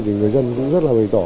thì người dân cũng rất là bày tỏ